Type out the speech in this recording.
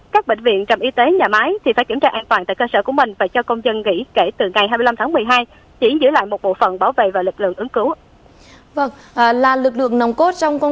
các bệnh viện trạm y tế nhà máy thì phải kiểm tra an toàn tại cơ sở của mình và cho công dân nghỉ kể từ ngày hai mươi năm tháng một mươi hai chuyển giữ lại một bộ phận bảo vệ và lực lượng ứng cứu ạ